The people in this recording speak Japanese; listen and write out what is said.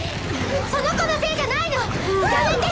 その子のせいじゃないのやめて！